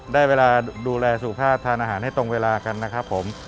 ได้เวลาดูแลสุขภาพทานอาหารให้ตรงเวลากันนะครับผม